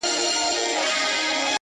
د ژوندانه كارونه پاته رانه.